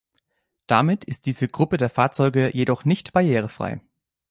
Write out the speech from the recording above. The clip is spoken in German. Damit ist diese Gruppe der Fahrzeuge jedoch nicht barrierefrei.